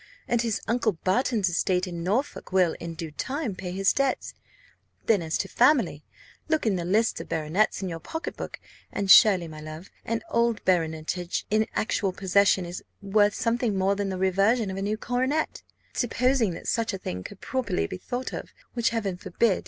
and his uncle Barton's estate in Norfolk will, in due time, pay his debts. Then, as to family look in the lists of baronets in your pocket book; and surely, my love, an old baronetage in actual possession is worth something more than the reversion of a new coronet; supposing that such a thing could properly be thought of, which Heaven forbid!